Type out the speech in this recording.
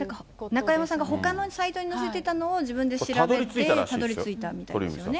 中山さんがほかのサイトに載せてたのを、自分で調べて、たどりついたみたいな。